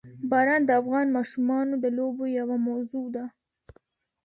باران د افغان ماشومانو د لوبو یوه موضوع ده.